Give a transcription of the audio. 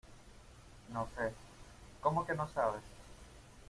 No sé. ¿ cómo que no sabes?